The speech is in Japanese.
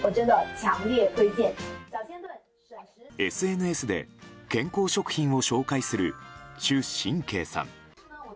ＳＮＳで健康食品を紹介するシュ・シンケイさん。